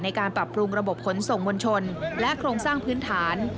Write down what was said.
ในการปรับปรุงระบบขนส่งมวลชนและโครงสร้างพื้นฐาน